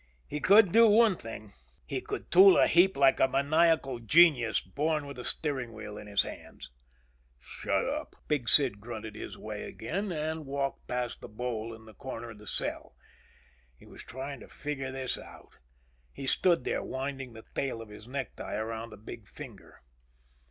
He could do one thing. He could tool a heap like a maniacal genius born with a steering wheel in his hands. "Shut up," Big Sid grunted his way again and walked past the bowl in the corner of the cell. He was trying to figure this out. He stood there winding the tail of his necktie around a big finger.